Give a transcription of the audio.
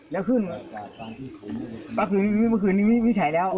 แล้วขึ้นเมื่อคืนนี้ไม่ใช้แล้ว